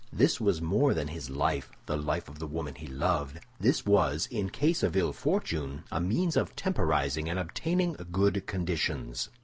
This was more than his life, the life of the woman he loved; this was, in case of ill fortune, a means of temporizing and obtaining good conditions.